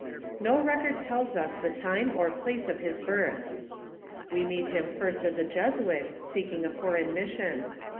No record tells \a the time or place of his birtL We meet him first as a Jesuit, seeking a foreign mis sion.